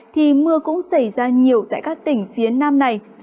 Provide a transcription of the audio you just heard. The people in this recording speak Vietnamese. thì mưa cũng xảy ra nhiều tại các tỉnh phía nam này